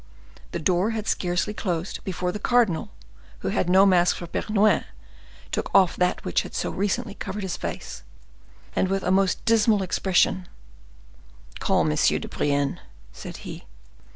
The door had scarcely closed before the cardinal, who had no mask for Bernouin, took off that which had so recently covered his face, and with a most dismal expression,—"Call M. de Brienne," said he.